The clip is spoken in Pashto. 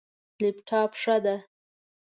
لپټاپ، ښه ده